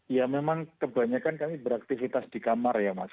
ya memang kebanyakan kami beraktivitas di kamar ya mas